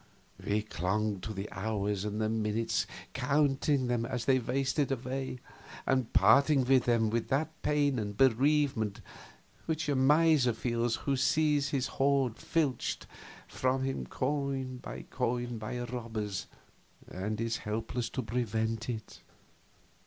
We clung to the hours and the minutes, counting them as they wasted away, and parting with them with that pain and bereavement which a miser feels who sees his hoard filched from him coin by coin by robbers and is helpless to prevent it.